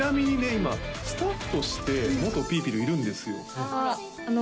今スタッフとして元ぴーぴるいるんですよ・あの